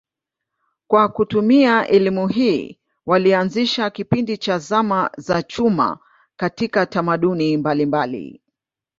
Kwa kutumia elimu hii walianzisha kipindi cha zama za chuma katika tamaduni mbalimbali.